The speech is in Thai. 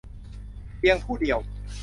เพียงผู้เดียว